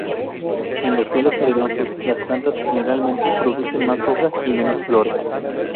En los suelos arenosos las plantas generalmente producen más hojas y menos flores.